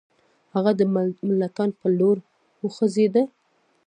هغه د ملتان پر لور وخوځېدی.